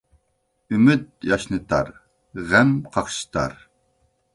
ئۈمىد ياشنىتار، غەم قاقشىتار.